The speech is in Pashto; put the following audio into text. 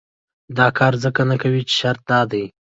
دا کار ځکه نه کوي چې شرط دا دی.